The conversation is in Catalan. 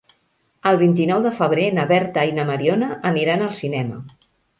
El vint-i-nou de febrer na Berta i na Mariona aniran al cinema.